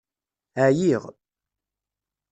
Ɛyiɣ.